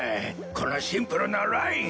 このシンプルなライン。